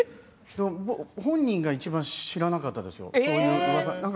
本人がいちばん知らなかったですよ、そういううわさ。